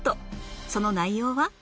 その内容は？